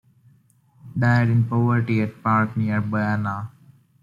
Died in poverty at Park, near Bearna.